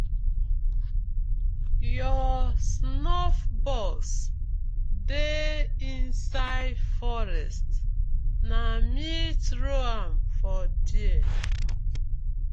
Yur snuff bosx dey inside forest, na me trow am for there.